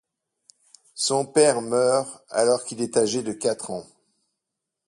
Son père meurt alors qu'il est âgé de quatre ans.